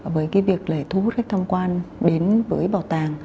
với việc thu hút khách tham quan đến với bảo tàng